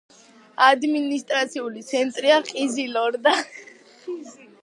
ადმინისტრაციული ცენტრია ყიზილორდა.